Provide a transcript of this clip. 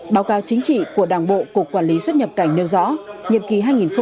báo cáo chính trị của đảng bộ cục quản lý xuất nhập cảnh nêu rõ nhiệm ký hai nghìn một mươi năm hai nghìn hai mươi